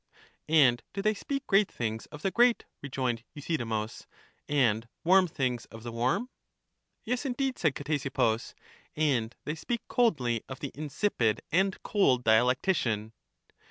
And do they speak great things of the great, EUTHYDEMUS 241 rejoined Euthydemus, and warm things of the warm? Yes, indeed, said Ctesippus; and they speak coldly of the insipid and cold dialectician.